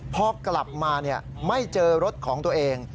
พอกลับมาไม่เจอรถของตัวเอง